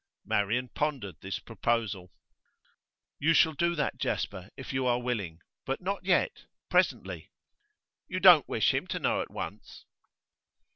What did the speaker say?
Marian pondered this proposal. 'You shall do that, Jasper, if you are willing. But not yet; presently.' 'You don't wish him to know at once?